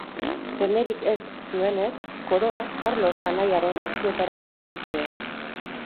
Semerik ez zuenez, koroa Karlos anaiaren eskuetara pasa zuen.